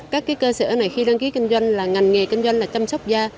các cơ sở này khi đăng ký kinh doanh là ngành nghề kinh doanh là chăm sóc da